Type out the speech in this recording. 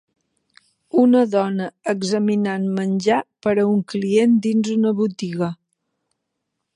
Una dona examinant menjar per a un client dins una botiga